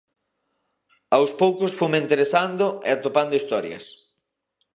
Aos poucos funme interesando e atopando historias.